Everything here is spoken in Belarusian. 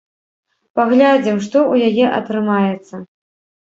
Паглядзім, што ў яе атрымаецца.